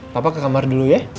papa ke kamar dulu ya